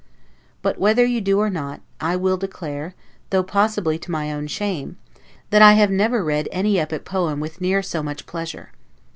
But whether you do or not, I will declare (though possibly to my own shame) that I never read any epic poem with near so much pleasure.